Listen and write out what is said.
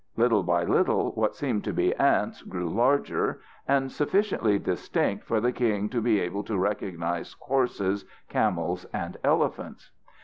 Little by little what seemed to be ants grew larger and sufficiently distinct for the king to be able to recognise horses, camels and elephants.